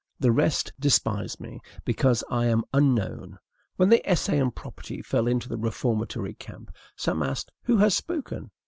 The rest despise me, because I am unknown. When the "Essay on Property" fell into the reformatory camp, some asked: "Who has spoken?